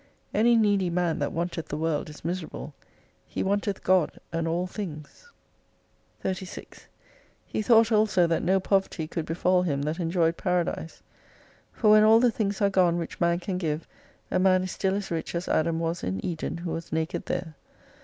Any needy man, that wanteth the world, is miserable. He wanteth God and all things. 262 36 He thought also that no poverty could befall him that eajoyed Paradise. For when all the things are gone which man can give, a man is still as rich as Adam was in Eden, who was naked there.